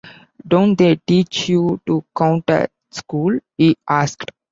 “Don’t they teach you to count at school?” he asked.